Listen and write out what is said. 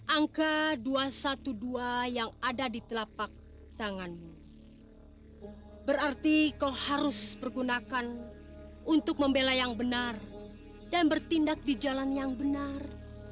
angka dua ratus dua belas yang ada di telapak tanganmu berarti kau harus pergunakan untuk membela yang benar dan bertindak di jalan yang benar